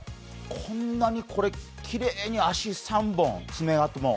こんなにきれいに足３本、爪痕も。